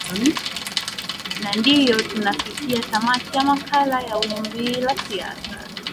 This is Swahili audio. na ndio tunafikia tamati ya makala ya wimbi la siasa